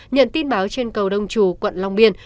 nhận tin báo trên cầu đông trù quận long biên